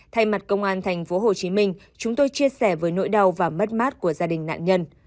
thay mặt công an tp hcm chúng tôi chia sẻ với nỗi đau và mất mát của gia đình nạn nhân